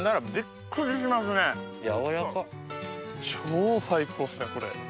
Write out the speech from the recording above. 超最高ですねこれ。